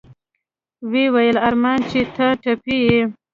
ويې ويل ارمان چې ته ټپي يې.